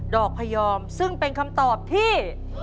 พยอมซึ่งเป็นคำตอบที่